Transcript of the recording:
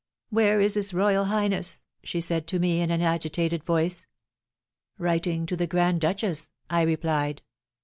"Where is his royal highness?" she said to me, in an agitated voice. "Writing to the grand duchess," I replied.